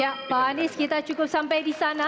ya pak anies kita cukup sampai di sana